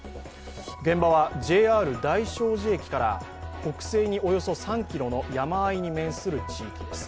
現場はＪＲ大聖寺駅から北西におよそ３ｋｍの山あいに面する地域です。